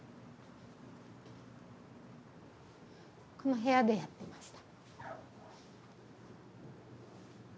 この部屋でやってました。